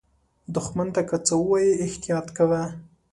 دښمن ته که څه ووایې، احتیاط کوه